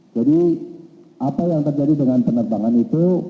jadi apa yang terjadi dengan penerbangan itu